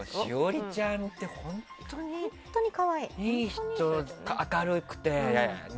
栞里ちゃんって本当にいい人明るくて。